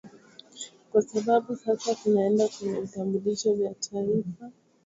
kwa sababu sasa tunaenda kwenye vitambulisho vya taifa